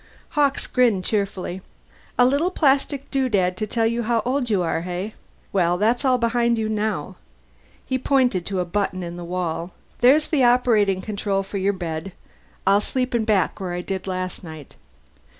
Hawkes grinned cheerfully. "A little plastic doodad to tell you how old you are, eh? Well, that's all behind you now." He pointed to a button in the wall. "There's the operating control for your bed; I'll sleep in back, where I did last night.